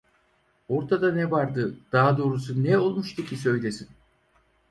Ortada ne vardı, daha doğrusu ne olmuştu ki söylesin?